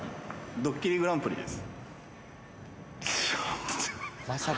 『ドッキリＧＰ』です。